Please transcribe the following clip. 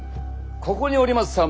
ここにおります